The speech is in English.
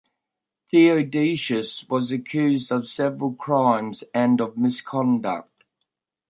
Theodosius was accused of several crimes and of misconduct.